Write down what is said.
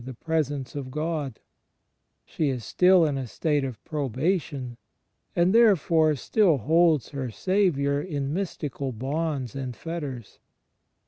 CHRIST IN THE EXTERIOR 89 the Presence of Gk)d; she is still in a state of probation, and therefore still holds her Saviour in mystical bonds and fetters.